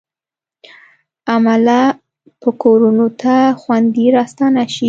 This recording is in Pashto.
عمله به کورونو ته خوندي راستانه شي.